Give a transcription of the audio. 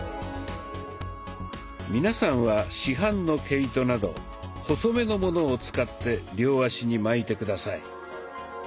皆さんは市販の毛糸など細めのものを使って両足に巻いて下さい。